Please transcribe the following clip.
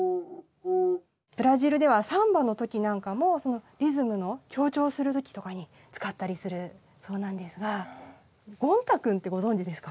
ブラジルではサンバの時なんかもリズムの強調する時とかに使ったりするそうなんですがゴン太くんってご存じですか？